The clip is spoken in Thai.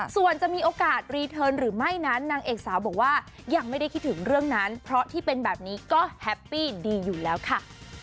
ส่วนจะมีโอกาสรีเทิร์นหรือไม่นั้นนางเอกสาวบอกว่ายังไม่ได้คิดถึงเรื่องนั้นเพราะที่เป็นแบบนี้ก็แฮปปี้ดีอยู่แล้วค่ะ